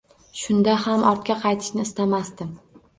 Shunda ham ortga qaytishni istamasdim.